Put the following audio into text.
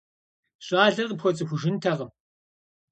Щӏалэр къыпхуэцӀыхужынтэкъым.